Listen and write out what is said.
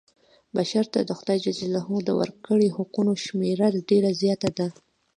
بشر ته د خدای ج د ورکړي حقونو شمېره ډېره زیاته ده.